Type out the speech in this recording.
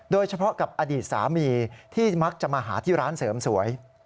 โดยเฉพาะกับอดีตสามีที่มักจะมาหาที่ร้านเสริมสวย